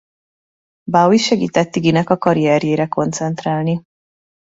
Bowie segített Iggynek a karrierjére koncentrálni.